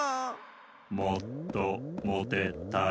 もっともてたい。